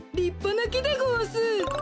なきでごわす！